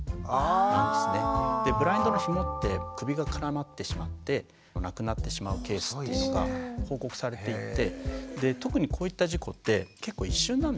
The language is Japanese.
ブラインドのひもって首が絡まってしまって亡くなってしまうケースっていうのが報告されていて特にこういった事故って結構一瞬なんですよね。